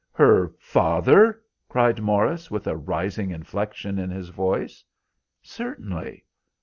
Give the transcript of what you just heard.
"Her father?" cried Morris, with a rising inflection in his voice. "Certainly."